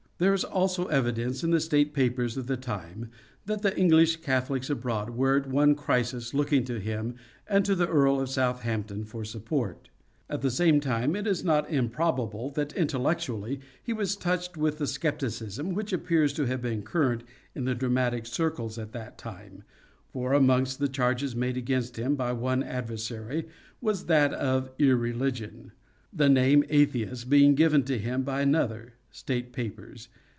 There is also evidence in the State Papers of the time that the English Catholics abroad were at one crisis looking to him and to the Earl of Southampton for support. At the same time it is not improbable that intellectually he was touched with the scepticism which appears to have been current in dramatic circles at that time, for amongst the charges made against him by one adversary was that of irreligion : the name " atheist " being given him by another (State Papers).